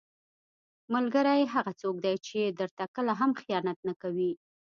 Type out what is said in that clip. ملګری هغه څوک دی چې درته کله هم خیانت نه کوي.